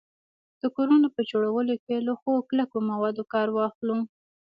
د کورونو په جوړولو کي له ښو کلکو موادو کار واخلو